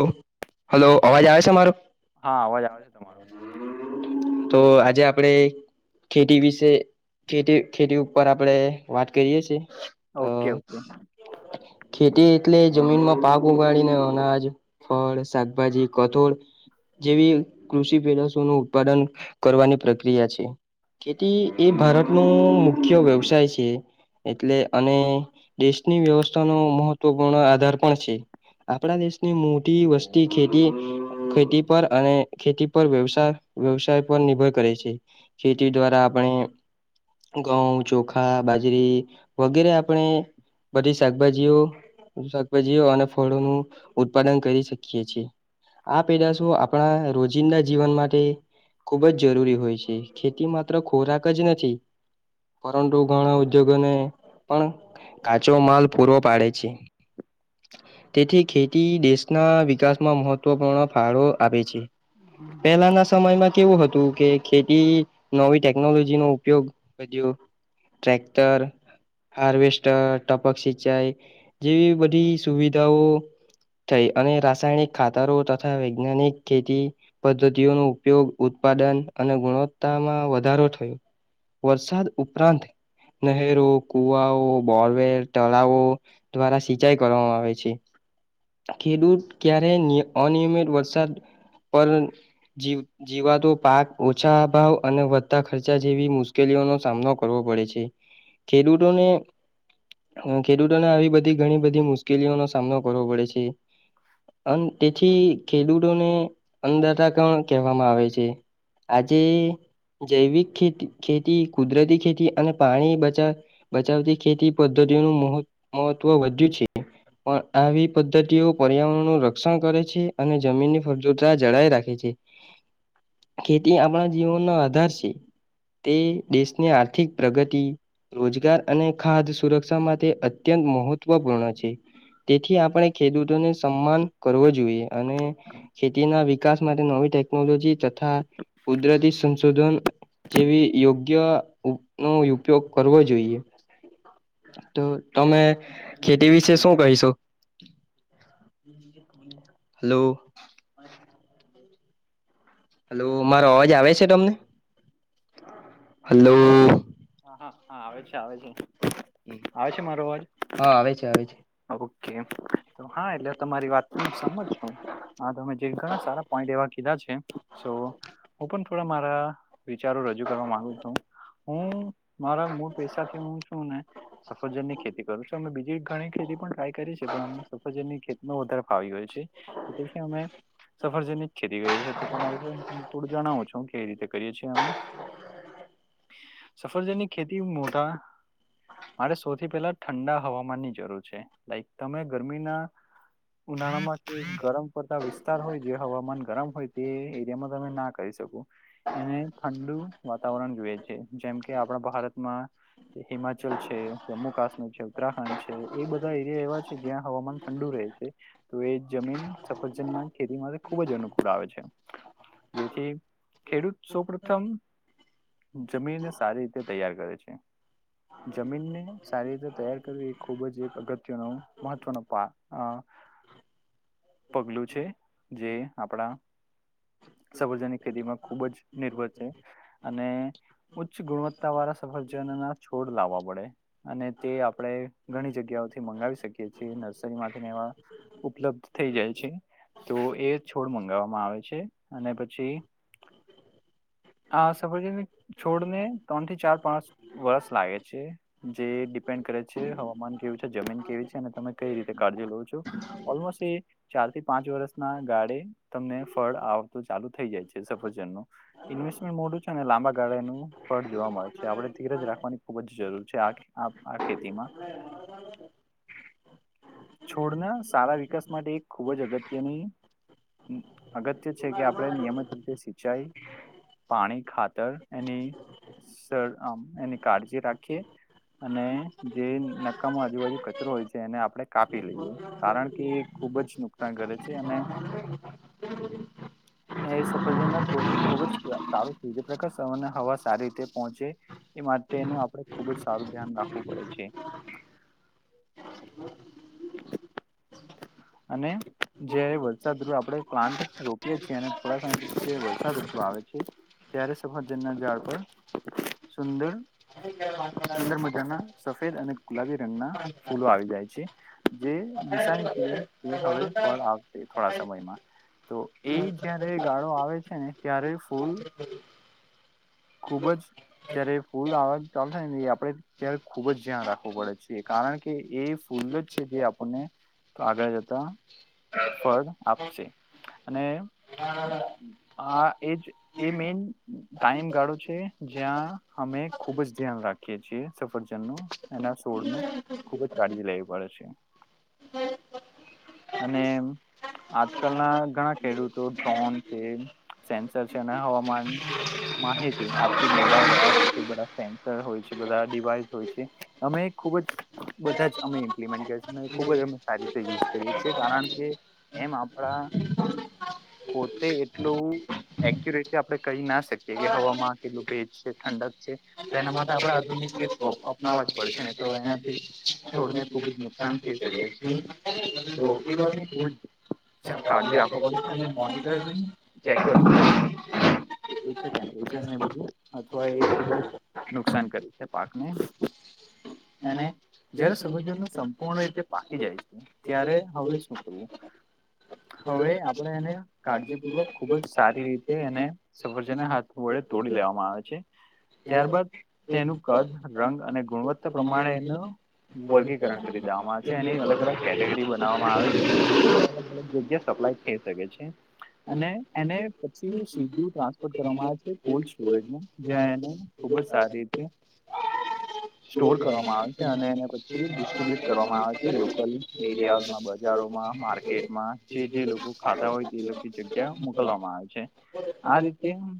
ઓ hello અવાજ આવે છે મારો? તો આજે આપડે. ખેતી વિશે ખેતી ખેતી ઉપર આપડે વાત કરીય છીએ. અ ઓકે ઓકે. ખેતી એટલે જમીનમાં પાક ઉગાળીને અનાજ ફળ શાકભાજી કઠોળ જેવી કૃષિ પેદશો નું ઉત્પાદન કરવાની પ્રક્રિયા છે. ખેતી એ ભારત ન મુખ્ય વ્યવસાય છે. એટલે અને દેશની વ્યવસ્થાનો મહત્વપૂર્ણ આધાર પણ છે. આપણા દેશ ની મોટી વસ્તી ખેતી ખેતી પર અને ખેતી પર વ્યવાય વ્યવસાય ઉપ નિર્ભર કરે છે ખેતી દ્વારા આપણે ઘઉં ચોખા બાજરી વગેરે આપણે બધી શાકભાજીઓ શાકભાજીઓ અને ફળો નું ઉત્પાદન કરી શકીએ છીએ. આ પેદાશો આપણા રોજિંદા જીવન માટે ખુબ જ જરૂરી હોય છે ખેતી માત્ર ખોરાક જ નથી. પરંતુ ઘણા ઉદ્યોગોને પણ કાચો માલ પૂરો પાડે છે. તેથી ખેતી દેશના વિકાસમાં મહત્વપૂર્ણ ફાળો આપે છે. પેલાના સમયમાં કેવું હતું કે ખેતી નવી ટેકનોલોજી નો ઉપયોગ વધ્યો ટ્રક્ટર, હાર્વેસ્ટર, ટપક સિં ચાઈ જેવી બધી સુવિધાઓ થઈ અને રાસાયણિક ખા તરો તથા વૈજ્ઞાનિક ખેતી પદ્ધતિઓ નો ઉપયોગ ઉત્પાદન અને ગુણવત્તામાં વધારો થયો. વરસાદ ઉપરાંત નહેરો, કુવાઓ, બોરવેર, તળાવો દ્વારા સિંચાઈ કરવામાં આવે છે. ખેડૂત ક્યારે નિય અનિયમિત વરસાદ પર જીવ તો પાક ઓછા ભાવ અને વધતા ખર્ચા જેવી મુશ્કેલીઓનો સામનો કરવો પડે છે. ખેડૂતોને હું ખેડૂતોને આવી બધી ઘણી બધી મુશ્કેલીઓ નો સામનો કરવો પડે છે. અન તેથી ખેડૂતોને અન્નદાતા કેહ આવે આજે જૈવિક ખેતી ખેતી કુદરતી ખેતી અને પાણી બચાવ બચાવતી ખેતી પદ્ધતિનું મહ મહત્વ વધ્યું છે. પણ આવી પદ્ધતિઓ પર્યાવરણનું રક્ષણ કરે છે અને જમીનની ફળદ્રુપતા જળાય રાખે છે. ખેતી આપણા જીવનનો આધાર છે તે દેશને આર્થિક પ્રગતિ, રોજગાર, અને ખાદ્ય સુરક્ષા માટે અત્યંત મહત્વપૂર્ણ છે. તેથી આપણે ખેડૂતોને સન્માન કરવો જોઈએ અને ખેતીના વિકાસ માટે નવી ટેકનોલોજી તથા કુદરતી સંશોધન જેવી યોગ્ય ઉપ નો ઉપયોગ કરવો જોઈએ. તો તમે ખેતી વિશે શું કહીશો? હલો. હલો મારો અવાજ આવે છે તમને? હલો? હા હા આવે છે આવે છે. આવે છે મારો અવાજ? હા આવે છે આવે છે ઓકે. તો હા એટલે તમારી વાત હું સમત છું આ તમે જે ઘણા સારા પોઈન્ટ એવા કીધા છે છું. હું પણ થોડા મારા વિચારો રજૂ કરવા માગુ છું. હું મારા મૂળ પૈસાથી હું છું ને સફરજન ની ખેતી કરું છું અમે બીજી ઘણી ખેતી પણ ટ્રાય કરી છે પણ સફરજની ખેતીમાં વધારે ફાવી ગયું છે. એટલે છે અમે સફરજની જ ખેતી કરીએ છે એ તો તેના વિશે થોડું જણાવું છું કેવી રીતે કરીએ છીએ અમે. હ. સફરજની ખેતી મોટા મારે સૌથી પેલા ઠંડા હવામાન ની જરૂર છે. લાઈક તમે ગરમીના ઉનાળામાં કે ગરમ પડતા વિસ્તાર હોય જે હવામાન ગરમ હોય તે એરિયામાં તમે ના કરી શકો એને ઠંડુ વાતાવરણ જોઈએ છે. જેમ કે આપણા ભારતમાં હિમાચલ છે, જમ્મુ કાશ્મીર છે, ઉત્તરાખંડ છે, એ બધા એરિયા એવા છે જ્યાં હવામાન ઠંડુ રહે છે તો એ જમીન સફરજન ના ખેતી માટે ખુબ જ અનુકૂળ આવે છે. જેથી ખેડૂત સૌ પ્રથમ [inaudible] જમીનને સારી રીતે તૈયાર કરે છે. જમીનને સારી રીતે તૈયાર કરવી એ ખૂબ જ એક અગત્યનો મહત્વનો પા અ [inaudible] પગલું છે જે આપણા સફરજનની ખેતીમાં ખુબ જ નિર્ભર છે, અને ઉચ્ચ ગુણવત્તા વાળા સફરજન ના છોડ લાવા પડે અને તે આપણે ઘણી જગ્યાઓથી મંગાવી શકીએ છીએ નર્સરી માંથીને એવા ઉપલબ્ધ થઈ જાય છે, તો એ છોડ મંગાવવામાં આવે છે, અને પછી [inaudible] હ સફરજનની છોડને ત્રણ થી ચાર પાચ વર્ષ લાગે છે, જે ડિપેન્ડ કરે છે, હવામાન કેવું છે, જમીન કેવી છે, અને તમે કઈ રીતે કાળજી લો છું, ઓલમોસ્ટ એ ચાર થી પાંચ વર્ષના ગાડે તમને ફળ આ તો ચાલુ થઈ જાય છે, સફરજનનું ઇન્વેસ્ટમેન્ટ મોડું છે ને લાંબા ગાળે એનું ફળ જોવા મળે છે, આપડે ધીરજ રાખવાની ખુબ જ જરૂર છે આ આ ખેતીમાં છોડના સારા વિકાસ માટે એક ખૂબ જ અગત્યની અગત્ય છે કે આપણે નિયમિત રીતે સિંચાઈ પાણી ખાતર એની સર એની કાળજી રાખીએ અને જે નકામો આજુબાજુ કચરો હોય છે એને આપડે કાપી લઈએ કારણ કે એ ખુબ જ નુકસાન કરે છે, અને [inaudible] એ સફરજ ના છોડનુ ખુબ જ સારું કીધું જે પ્રકાશ અને હવા સારી રીતે પહોંચે એ માટેનું આપણે ખુબ જ સારું ધ્યાન રાખવું પડે છે. [inaudible] અને જયારે વરસાદ થ્રુ આપડે પ્લાન્ટ રોપીએ છીએ અને થોડા સમય વર્ષાઋતુ આવે ત્યારે સફાજનના ઝાડ પર સુંદર સુંદર મજાના સફેદ અને ગુલાબી રંગના ફૂલો આવી જાય છે. જે નિશાની છે એ હવે ફળ આવશે થોડા સમયમાં તો એ જયારે ગાળો આવે છે, ને ત્યારે ફૂલ ખુબ જ જ્યારે ફૂલ [unintelligible] એ આપડે ત્યારે ખુબ જ ધ્યાન રાખવું પડે છે, કારણ કે એ ફૂલે જ છ જે આપણને તો આગળ જતા ફળ આપશે અને [inaudible] આ એજ એ મેન ટાઈમ ગાડો છે, જ્યાં અમે ખુબ જ ધ્યાન રાખી એ છીએ સફરજનનો એના સોડ નુ ખુબ જ કાળજી લે પડે છે. [inaudible] અને આજકાલ ના ઘણા ખેડૂતો ડ્રોન છે, સેન્સર છે, અને હવામાન માહિતી આપતી મોબાઈલ એપ તે બધા સેન્સર હોય છે, બધા ડિવાઈસ હોય છે, અમે ખુબ જ બધા જ અમે ખૂબ જ અમે સારી રીતે યુઝ કરીએ છીએ કારણ કે એમ આપણા પૂરતે એટલું એક્યુરેટ આપણે કહી ના શકીએ કે હવામાં કેટલું ભેજ છે ઠંડક છે. એના માટે આપણે આધુનિક રીત અપનાવવા જ પડશે ને તો એનાથી છોડને ખુબ જ નુકસાન થઈ શકે છે તો એ વાતની ખુબ જ મ [unintelligible] [inaudible] ટેમ્પરેચરને બધું અથવા એ ખુબ જ નુકસાન કરે છે પાકને અને જ્યારે સબજનું સંપૂર્ણ રીતે પાકી જાય છે ત્યારે હવે શું કરવું? હવે આપણે એને કાળજીપૂર્વક ખુબ જ સારી રીતે એને સફરજના હાથ વ તોડી લેવામાં આવે છે. ત્યારબાદ તેનું કદ રંગ અને ગુણવત્તા પ્રમાણે એનું વર્ગીકરણ ખરીદા એ અલગ અલગ કેટેગરી બનાવવામાં આવે છે અલગ અલગ જગ્યા સપ્લાય થઈ શકે છે. અને એને પછી સીધું ટ્રાન્સપોટ કરવામાં આવે છે કોલ્ડ સ્ટરેજમાં જ્યાં એ ખૂબ જ સારી રી હતી. [inaudible] સ્ટોર કરવામાં આવે છે અને એને પછી ડિસ્ટ્રીબ્યુટ- - કરવામાં આવે છે લોકલ એરિયામાં બજારોમાં માર્કેટમાં જે જે લોકો ખાતા હોય તે- - જગ્યા મોકલવામાં આવે છે આ રીતે- -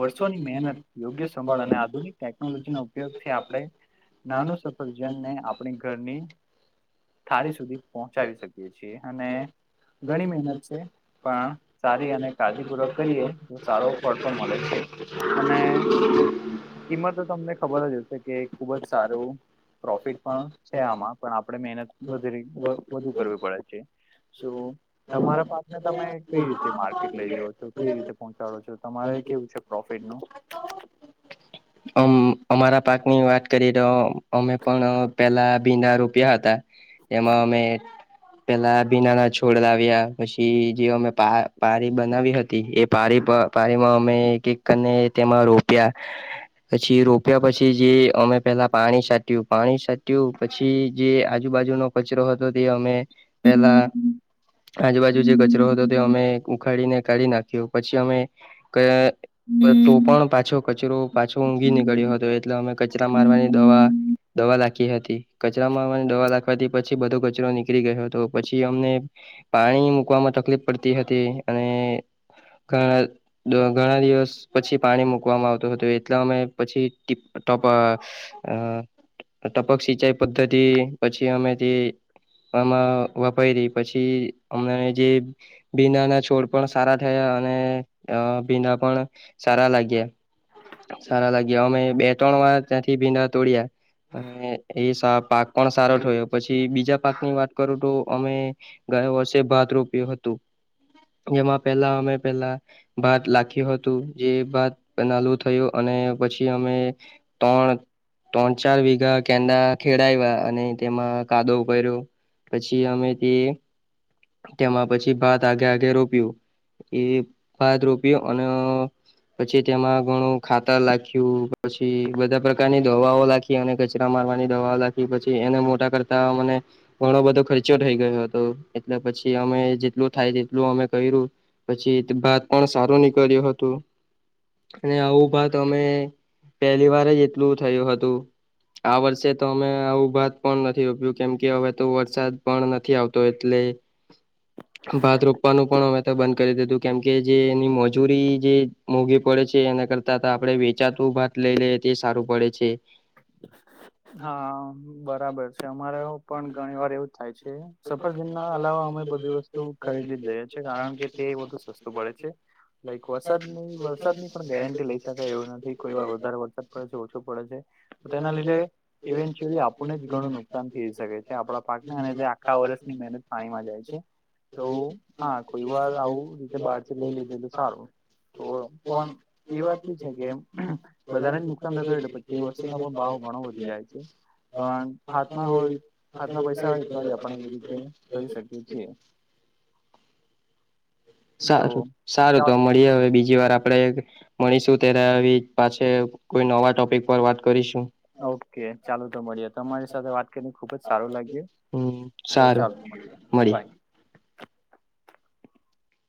વર્ષોની મહેનત યોગ્ય સંભળ અને આધુનિક ટેકનોલોજી ના ઉપયોગથી આપણે- - નાનું સફરજનને આપણી ઘરની- - થાળી સુધી પહોંચાવી શકીએ છીએ અને- - ઘણી મહેનત છે પણ સારી અને કાળજી પૂર્વક કરીએ તો સારો ફળ પણ મળે છે. અને- - કિંમત તો તમને ખબર જ હશે કે ખુબ જ સારું પ્રોફિટ- - પણ છે આમાં પણ આપડે મહેનત વધ વધુ કરવી પડે છે. સો તમારા પાકને તમે કઈ રીતે માર્કેટ લઈ જઓ છો કઈ રીતે પહોંચાડો છો તમારે- - કેવું છે પ્રોફિટ નુ? અમ- - અમારા પાકની વાત કરી તો અમે પણ પેલા ભીડા- - રૂપિયા હતા એમાં અમે- - પેલા ભીના ના છોડ લાવ્યા પછી જે અમે પારી બનાવી હતી એ પારી- - પાણીમાં અમે એક એક કરીને તેમાં રોપ્યા પછી ર- - રોપિયા પછી જે અમે પેલા પાણી સાટ્યું પાણી સાટ્યું પછી જે આજુબાજુનો કચરો- - તે અમે પેલા આજુબાજુ જે કચરો હતો તે અમે ઉખાડીને- - કાઢી નાખ્યું પછી અમે ક- - બ તો પણ પાછો કચરો પાછો ઊંઘી નીકળ્યો હતો. એટલે અમે કચરા મારવાની દવા દવા લી- - હતી કચરામાં દવા લખવાથી પછી બધો કચરો નીકળી ગયો હતો પછી અમને- - પાણી મૂકવામાં તકલીફ પડતી હતી અને- - ઘણા ઘણા દિવસ પછી પાણી મૂકવામાં આવતું હતું એટલા અમે પછી- - ટ ટપ આ- - ટપક સિંચાઈ પદ્ધતિ પછી અમેથી- - આમાં વપરી રહી પછી અમણા જે- - ભીના ના છોડ પણ સારા થયા અને ભીડા પણ- - સારા લાગ્યા સારા લાગ્યા અમે- - ત્યાંથી ભીંડા તોડ્યા- - એ પાક પણ સારો થયો પછી બીજા પાકની વાત કરું તો અમે- - વષે ભાત રોપ્યું હતું. જેમાં પેલા અમે પેલા ભાત લખ્યું હતું જે ભાત નાલું થયું અને પછી- - અમે ત્રણ- - ત્રણ ચાર વીઘા કેડા ખેડાવ્યા અને તેમાં કાદો ઉર્યો- - પછી અમે તે- - તેમાં પછી ભાત આગે આગે રોપ્યું એ- - ભદ રોપયો અને પછી તેમાં ઘણું ખાતર લખ્યું- - પછી બધા પ્રકારની દવાઓ લખી અને કચરા મારવાની દવાઓ લખી પછી એને મોટા કરતા મને- - ઘણો બધો ખર્ચો થઈ ગયો હતો એટલે પછી અમે જેટલું થાય તેટલું અમે કર્યું- - પછી ભાત પણ સારું નીકળ્યું હતું અને આવું ભાત અમે- - પહેલી વાર જ એટલું થયું હતું આ વર્ષે તો અમે આવું ભત- - પણ નથી રોપ્યું કેમ કે હવે તો વરસાદ પણ નથી આવતો એટલે- - ભાત રોપવાનું પણ અમે તો બંધ કરી દીધું કેમકે જે એની મજૂરી જે મોઘી પ- - તે છે એના કરતા આપડણે વેચાતું ભાત લઈ લઈ તે સારું પડે છે. હા બરાબર છે અમારે પણ ઘણી વાર એવું જ થાય છે સફરજન ના અલાવા- - અમે બધી વસ્તુ ખરીદી જ લઈએ છ છે કારણ કે તે વધુ સસ્તું પડે છે. લાઈક વરસાદ ની વરસાદ ની પણ ગેરંટી લઈ શકાય એવું નથી. કોઈ વાર વધારે વરસાદ પડે છે ઓછો પડે છે. તેના લીધે ઇવેન્ચ્યુઅલી આપણને જ ઘણું નુકસાન થઈ શકે છે આપણા પાક ને અને જે આખા વર્ષની મહેનત પાણીમાં જાય છે. તો હા કોઈ વાર આવું રીતે બહારથી લઈ લીધે તો સારું. તો પણ એ વાત બી છે કે વધારેને નુકસાન થતું હોય તો પછી વસ્તુ પણ ભાવ ઘણો વધી જાય છે. પણ હાથમાં હોય હાથમાં પૈસા હોય તોજ આપણે એવી રીતે કરી શકીએ છીએ. [inaudible] સારું સારું તો મળી હવે બીજી વાર આપણેે મળીશું ત્યારે તે પાસે કોય નવા ટોપિક પર વાત કરીશું. ઓકે ચાલુ તો મળીએ તમારી સાથે વાત કરીને ખુબ જ સારું લાગ્યું. હમ તો સારું ચાલ મળ્યે મળીએ બાય.